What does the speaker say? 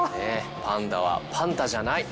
「パンダはパンダじゃない！」。